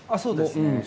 そうですね。